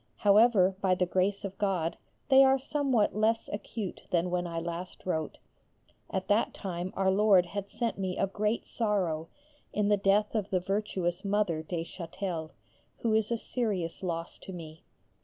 However, by the grace of God they are somewhat less acute than when I last wrote. At that time Our Lord had sent me a great sorrow in the death of the virtuous Mother (de Châtel), who is a serious loss to me.